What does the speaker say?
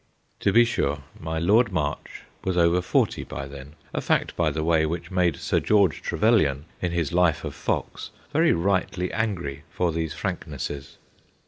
To be sure, my Lord March was over forty by then, a fact, by the way, which made Sir George Trevelyan, in his Life of Fox, very rightly angry for these frank nesses.